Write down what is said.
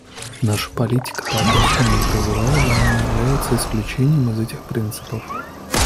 Наша политика по отношению к Израилю не является исключением из этих принципов.